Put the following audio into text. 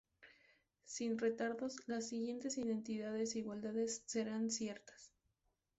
Sin retardos, las siguientes identidades e igualdades serán ciertas.